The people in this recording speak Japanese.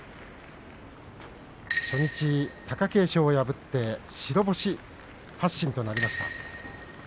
初日、貴景勝を破って白星発進となりました。